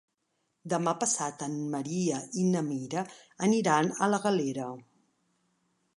Demà passat en Maria i na Mira aniran a la Galera.